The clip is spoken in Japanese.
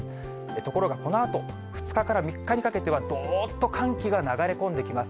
ところがこのあと、２日から３日にかけては、どーっと寒気が流れ込んできます。